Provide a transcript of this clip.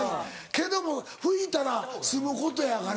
けども拭いたら済むことやから。